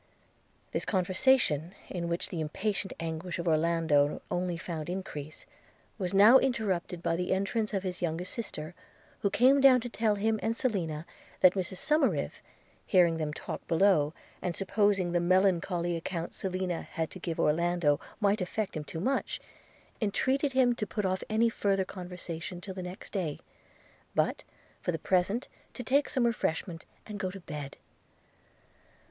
This conversation, in which the impatient anguish of Orlando only found increase, was now interrupted by the entrance of his youngest sister, who came down to tell him and Selina that Mrs Somerive, hearing them talk below, and supposing the melancholy account Selina had to give Orlando might effect him too much, entreated him to put off any further conversation till the next day, but for the present to take some refreshment and go to bed.